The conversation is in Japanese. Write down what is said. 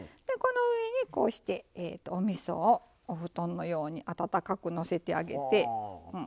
この上にこうしておみそをお布団のようにあたたかく載せてあげて。